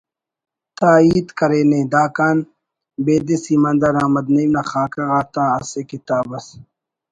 تا ہیت کرینے “ داکان بیدس ایماندار احمد نعیم نا خاکہ غاتا اسہ کتاب اس